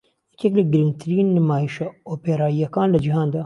یەکێک لە گرنگترین نمایشە ئۆپێراییەکان لە جیهاندا